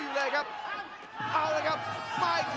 ตีอัดเข้าไปสองที